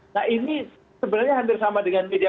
nah ini sebenarnya hampir sama dengan media